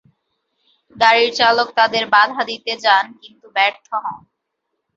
গাড়ির চালক তাদের বাধা দিতে যান, কিন্তু ব্যর্থ হন।